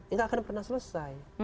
itu enggak akan pernah selesai